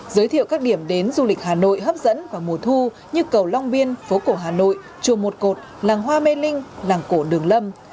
giới thiệu các điểm đến du lịch hà nội hấp dẫn vào mùa thu như cầu long biên phố cổ hà nội chùa một cột làng hoa mê linh làng cổ đường lâm